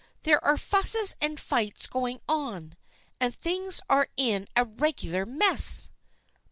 There are fusses and fights going on, and things are in a regular mess."